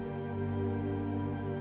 kamu mau jauh bez lagi jandra